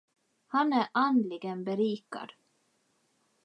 Han är andligen berikad.